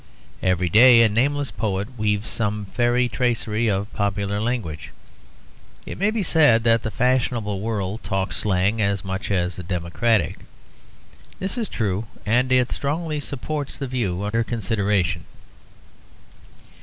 Every day a nameless poet weaves some fairy tracery of popular language. It may be said that the fashionable world talks slang as much as the democratic; this is true, and it strongly supports the view under consideration.